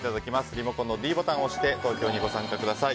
リモコンのｄボタンを押してご参加ください。